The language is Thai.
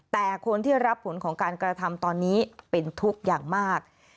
แต่คนที่รับผลของการกระทำตอนนี้เป็นทุกข์อย่างมาก